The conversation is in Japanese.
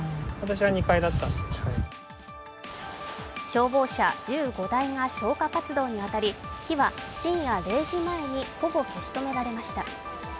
消防車１５台が消火活動に当たり火は、深夜０時前にほぼ消し止められました。